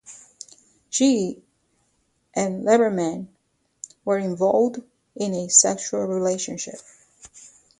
She and Letterman were involved in a sexual relationship.